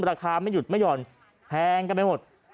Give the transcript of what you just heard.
ราคาไม่หยุดไม่หย่อนแพงกันไปหมด